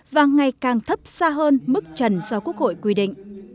và ngày càng thấp xa hơn mức trần do quốc hội quy định